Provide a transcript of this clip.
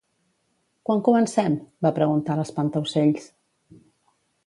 "Quan comencem?" va preguntar l'Espantaocells.